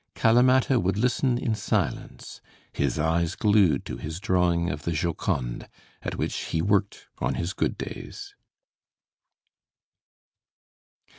Calamatta would listen in silence, his eyes glued to his drawing of the 'Joconde,' at which he worked on his good days.